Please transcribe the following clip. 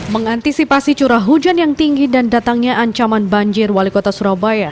mengantisipasi curah hujan yang tinggi dan datangnya ancaman banjir wali kota surabaya